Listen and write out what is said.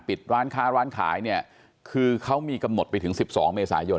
ปิดร้านค้าร้านขายเนี่ยคือเขามีกำหนดไปถึง๑๒เมษายน